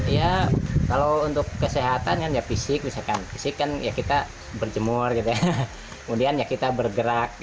ya kalau untuk kesehatan dan ya fisik misalkan fisik ya kita berjemur kemudian kita bergerak